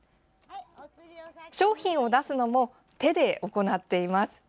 商品を出すのも手で行っています。